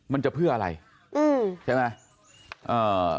มันจะเพื่ออะไรใช่ไหม